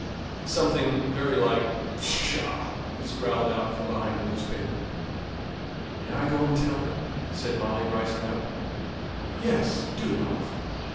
Something very like "Pshaw!" was growled out from behind the newspaper. "May I go and tell her?" said Molly, rising up. "Yes, do, love.